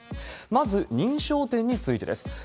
まず、認証店についてです。